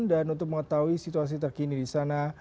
dan untuk mengetahui situasi terkini di sana